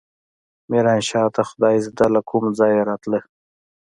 ميرانشاه ته خدايزده له کوم ځايه راته.